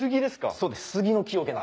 そうです